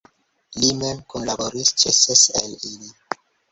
Li mem kunlaboris ĉe ses el ili.